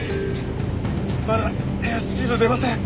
まだエアスピード出ません！